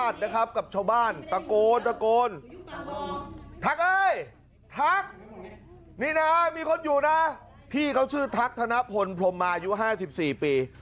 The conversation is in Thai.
นี่นะครับนี่นะครับมีคนอยู่นะพี่เขาชื่อทักธนพลพรหมายุห้าสิบสี่ปี